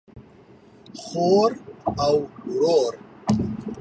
خور او ورور